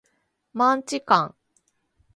マンチカン